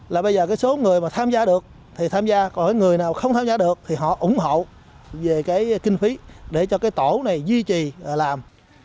là bây giờ cái số người mà tham gia được thì tham gia còn người nào không tham gia được thì họ ủng hộ về cái kinh phí để cho cái tổ này duy trì làm